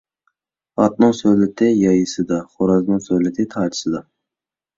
ئاتنىڭ سۆلىتى يايىسىدا، خورازنىڭ سۆلىتى تاجىسىدا.